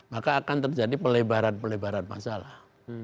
maka akan terjadi pelebaran pelebaran masalah